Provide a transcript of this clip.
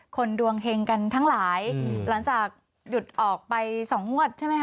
ดวงเฮงกันทั้งหลายหลังจากหยุดออกไป๒งวดใช่ไหมคะ